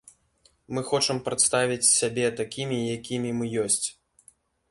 Мы хочам прадставіць сябе такімі, якімі мы ёсць.